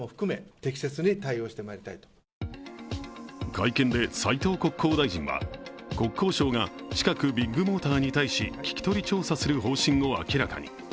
会見で斉藤国交大臣は国交省が近くビッグモーターに対し聞き取り調査する方針を明らかに。